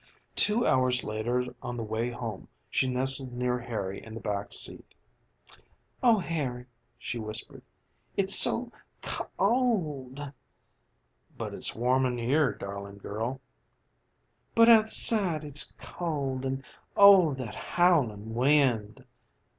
Two hours later on the way home she nestled near Harry in the back seat. "Oh, Harry," she whispered "it's so co old!" "But it's warm in here, daring girl." "But outside it's cold; and oh, that howling wind!"